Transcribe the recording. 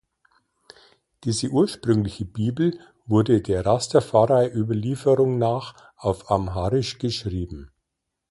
Diese ursprüngliche Bibel wurde der Rastafari-Überlieferung nach auf Amharisch geschrieben.